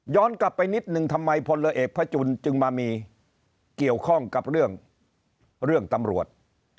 กลับไปนิดนึงทำไมพลเอกพระจุลจึงมามีเกี่ยวข้องกับเรื่องเรื่องตำรวจ